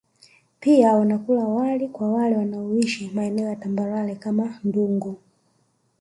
Pia wanakula wali kwa wale wanaoishi maeneo ya tambarare kama Ndungu